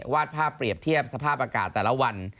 วาดภาพเปรียบเทียบสภาพอากาศแต่ละวัน